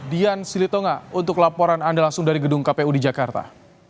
dian silitonga untuk laporan anda langsung dari gedung kpu di jakarta